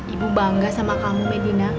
ibu bangga sama kamu medina